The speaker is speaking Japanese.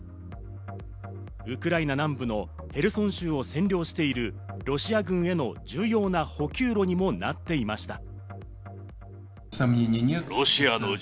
ウクライナ南部のヘルソン州を占領しているロシア軍への重要な補給路にもなっていました。